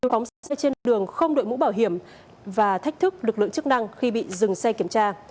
đóng xe trên đường không đội mũ bảo hiểm và thách thức lực lượng chức năng khi bị dừng xe kiểm tra